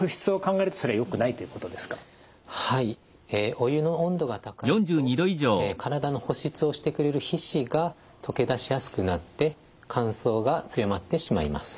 お湯の温度が高いと体の保湿をしてくれる皮脂が溶け出しやすくなって乾燥が強まってしまいます。